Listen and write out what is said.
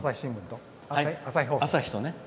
朝日とね。